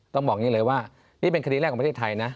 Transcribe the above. ต้องบอกอย่างนี้เลยว่านี่เป็นคดีแรกของประเทศไทยนะ